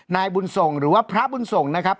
นายบุญส่งหรือว่าพระบุญส่งนะครับ